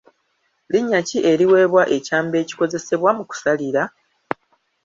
Linnya ki eriweebwa ekyambe ekikozesebwa mu kusalira?